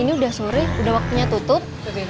ini udah sore udah waktunya tutup